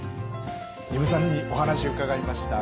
丹生さんにお話伺いました。